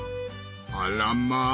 あらまあ！